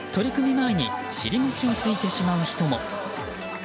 前に尻餅をついてしまう人も。